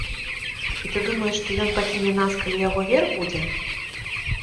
І ты думаеш, што ён пакіне нас, калі яго верх будзе?